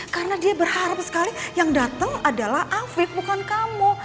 karena dia berharap sekali yang datang adalah afif bukan kamu